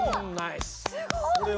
すごい！